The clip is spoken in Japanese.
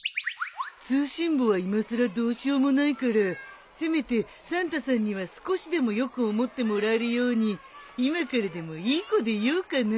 通信簿はいまさらどうしようもないからせめてサンタさんには少しでもよく思ってもらえるように今からでもいい子でいようかな。